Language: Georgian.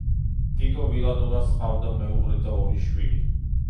ტიტო ვილანოვას ჰყავდა მეუღლე და ორი შვილი.